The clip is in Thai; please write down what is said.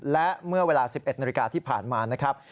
และเมื่อเวลา๑๑นาฬิกาที่ผ่านมานะครับ